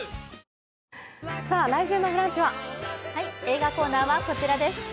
映画コーナーはこちらです。